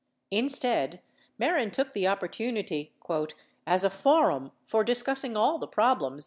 Instead, Mehren took the opportunity "as a forum for discussing all the problems